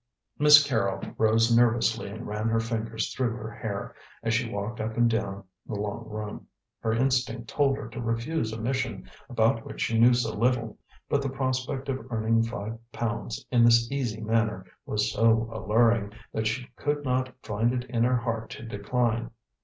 Miss Carrol rose nervously and ran her fingers through her hair, as she walked up and down the long room. Her instinct told her to refuse a mission about which she knew so little, but the prospect of earning five pounds in this easy manner was so alluring, that she could not find it in her heart to decline.